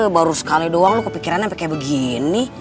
baru sekali doang lo kepikiran sampe kayak begini